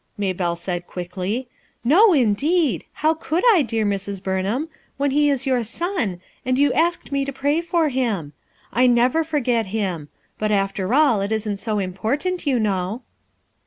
Maybclle said quickly. "j^o indeed 1 How could I, dear Mrs. Burnham, when lie is your son, and you asked me to pray for him? I never forget him; but after all, it isn't so important, you know."